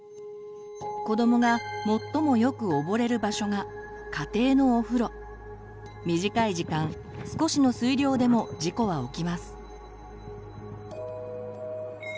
子どもが最もよく溺れる場所が短い時間少しの水量でも事故は起きます。